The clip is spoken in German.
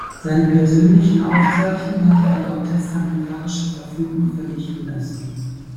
Seine persönlichen Aufzeichnungen hatte er laut testamentarischer Verfügung vernichten lassen.